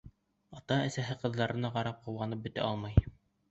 Ата-әсә ҡыҙҙарына ҡарап ҡыуанып бөтә алмай.